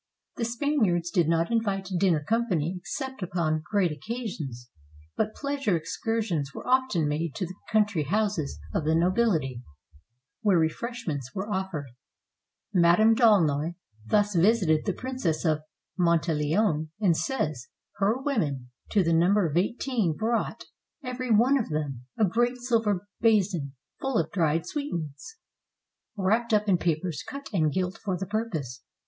The Spaniards did not invite dinner company except upon great occasions; but pleasure excursions were often made to the country houses of the nobility, where refreshments were offered. Madame d'Aulnoy thus visited the Princess of Monteleone, and says, "Her women, to the number of eighteen, brought, every one of them, a great silver basin full of dried sweetmeats, 524 SPANISH HOME LIFE wrapped up in papers cut and gilt for the purpose.